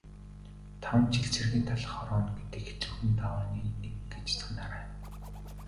Таван жил цэргийн талх хорооно гэдэг хэцүүхэн давааны нэг гэж санаарай.